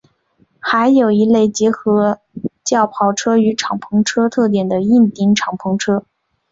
还有一类结合轿跑车与敞篷车特点的硬顶敞篷车。